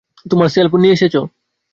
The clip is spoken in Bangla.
তোমার সেলফোন নিয়ে এসেছ?